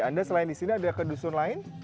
anda selain di sini ada kedusun lain